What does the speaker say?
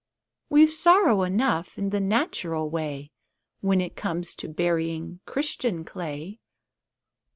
We've sorrow enough in the natural way, When it comes to burying Christian clay.